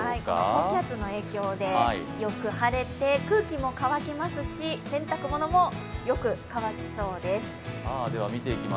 高気圧の影響でよく晴れて空気も乾きますし洗濯物もよく乾きそうです。